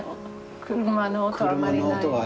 車の音あまりないよね。